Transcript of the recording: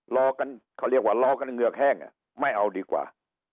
รอกันเขาเรียกว่ารอกันเงือกแห้งไม่เอาดีกว่า